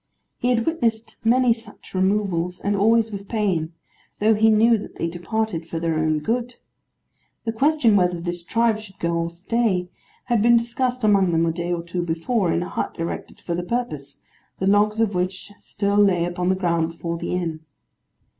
He had witnessed many such removals, and always with pain, though he knew that they departed for their own good. The question whether this tribe should go or stay, had been discussed among them a day or two before, in a hut erected for the purpose, the logs of which still lay upon the ground before the inn.